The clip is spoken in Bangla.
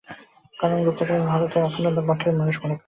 কারণ, লোকে তাঁকে ভারতের অখণ্ডতার পক্ষের মানুষ মনে করে, বিচ্ছিন্নতার নয়।